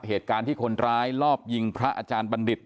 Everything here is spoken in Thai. เหตุการณ์ที่คนร้ายลอบยิงพระอาจารย์บัณฑิต